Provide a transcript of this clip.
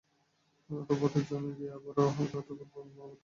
তবুও ঐতিহ্য অনুযায়ী এবারও আমরা হালখাতা খুলব, আগত ব্যক্তিদের মিষ্টিমুখ করাব।